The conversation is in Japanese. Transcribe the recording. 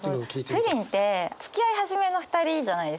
プリンってつきあい始めの２人じゃないですか。